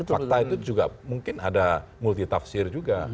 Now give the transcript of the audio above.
fakta itu juga mungkin ada multi tafsir juga